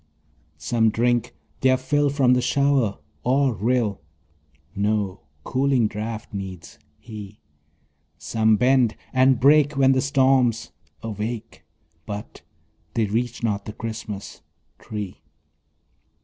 Some drink their fill from the shower or rill; No cooling draught needs he; Some bend and break when the storms awake, But they reach not the Christmas tree.